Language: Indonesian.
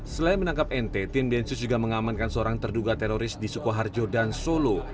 selain menangkap nt tim densus juga mengamankan seorang terduga teroris di sukoharjo dan solo